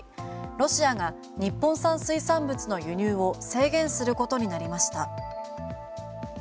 ロシアが日本産水産物の輸入を制限することになりました。